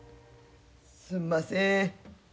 すんません。